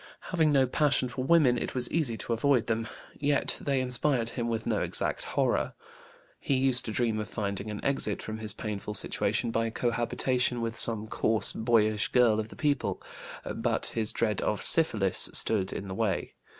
Having no passion for women, it was easy to avoid them. Yet they inspired him with no exact horror. He used to dream of finding an exit from his painful situation by cohabitation with some coarse, boyish girl of the people; but his dread of syphilis stood in the way.